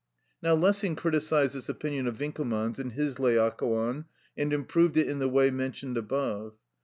Now Lessing criticised this opinion of Winckelmann's in his Laocoon, and improved it in the way mentioned above.